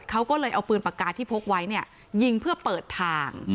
เขาก็เลยเอาปืนปากกาที่พกไว้เนี่ยยิงเพื่อเปิดทาง